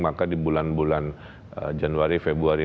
maka di bulan bulan januari februari